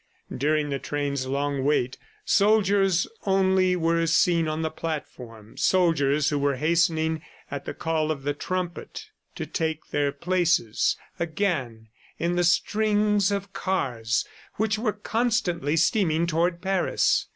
During the train's long wait, soldiers only were seen on the platform, soldiers who were hastening at the call of the trumpet, to take their places again in the strings of cars which were constantly steaming toward Paris.